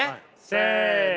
せの。